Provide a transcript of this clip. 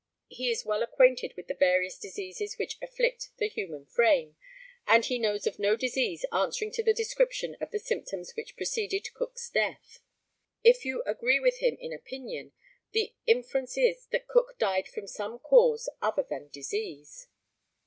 He is well acquainted with the various diseases which afflict the human frame, and he knows of no disease answering to the description of the symptoms which preceded Cook's death. If you agree with him in opinion, the inference is that Cook died from some cause other than disease.